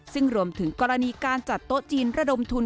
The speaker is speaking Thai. ซึ่งรวมถึงกรณีการจัดโต๊ะจีนระดมทุน